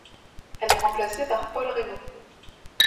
Elle est remplacée par Paul Raymond.